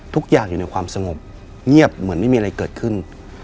ทุกอย่างอยู่ในความสงบเงียบเหมือนไม่มีอะไรเกิดขึ้น